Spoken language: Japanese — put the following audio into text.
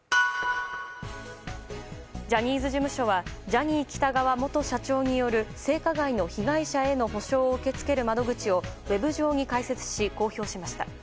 ジャニーズ事務所はジャニー喜多川元社長による性加害の被害者への補償を受け付ける窓口をウェブ上に開設し、公表しました。